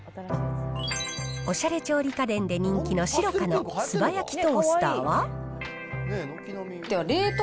おしゃれ調理家電で人気のシロカのすばやきトースターは。